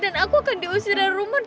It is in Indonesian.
dan aku akan diusir dari rumah